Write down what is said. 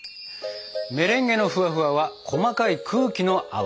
メレンゲのフワフワは細かい空気の泡。